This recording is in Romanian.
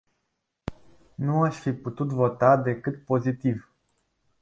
Nu aș fi putut vota decât pozitiv.